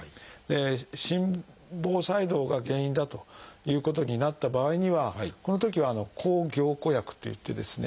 心房細動が原因だということになった場合にはこのときは「抗凝固薬」といってですね